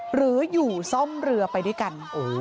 หรืออยู่ซ่อมเรือไปด้วยกัน